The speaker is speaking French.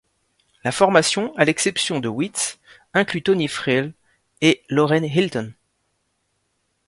La formation, à l'exception de Witts, inclus Tony Friel et Lorraine Hilton.